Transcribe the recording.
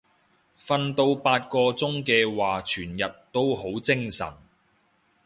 瞓到八個鐘嘅話全日都好精神